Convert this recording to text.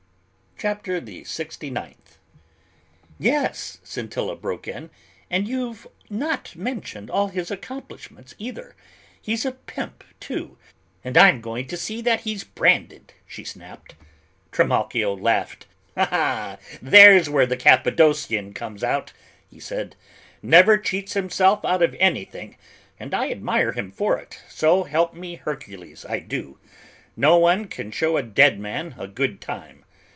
CHAPTER THE SIXTY NINTH. "Yes," Scintilla broke in, "and you've not mentioned all of his accomplishments either; he's a pimp too, and I'm going to see that he's branded," she snapped. Trimalchio laughed. "There's where the Cappadocian comes out," he said; "never cheats himself out of anything and I admire him for it, so help me Hercules, I do. No one can show a dead man a good time.